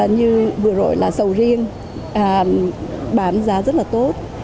như vừa rồi là sầu riêng bán giá rất là tốt